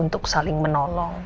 untuk saling menolong